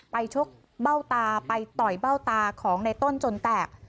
ชกเบ้าตาไปต่อยเบ้าตาของในต้นจนแตก